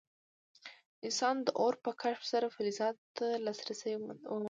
انسان د اور په کشف سره فلزاتو ته لاسرسی وموند.